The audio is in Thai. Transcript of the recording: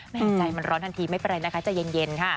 ใจมันร้อนทันทีไม่เป็นไรนะคะใจเย็นค่ะ